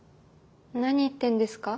何言ってんですか？